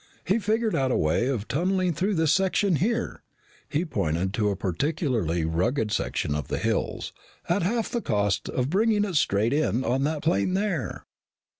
"He figured out a way of tunneling through this section here" he pointed to a particularly rugged section of the hills "at half the cost of bringing it straight in on that plain there."